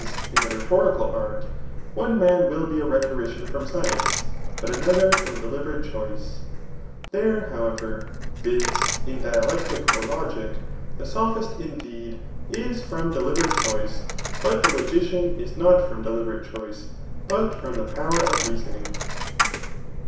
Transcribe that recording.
in the rhetorisri nst^3 one man will be a riietorician from sdence* but another from deliberate choice* There, however, [vif; ia dialectic or logic,] the sophist, indeed, is from delib^ fatechflice» but the logidmis not from deliberate choice^ hot from tiie power [of reasonmg.